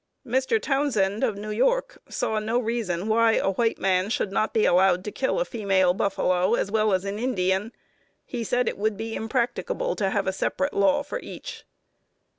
Mr. Townsend, of New York, saw no reason why a white man should not be allowed to kill a female buffalo as well as an Indian. He said it would be impracticable to have a separate law for each.